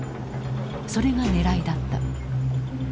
それがねらいだった。